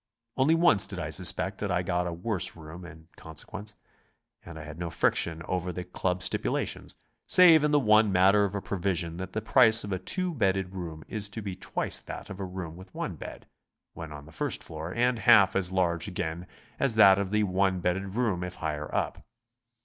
Only once did I suspect that I got a worse room in consequence. And I had no friction over the Club stipulations, save in the one matter of a provision that the price of a two bedded room is to be twice that of a room with one bed when on the first floor, and half as large again as that of the one bedded room if higher up.